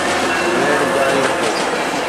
ويڙهه جاري رکو